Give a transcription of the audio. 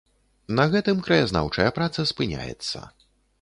На гэтым краязнаўчая праца спыняецца.